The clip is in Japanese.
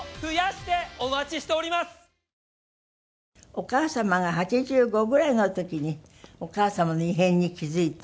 お母様が８５ぐらいの時にお母様の異変に気付いた。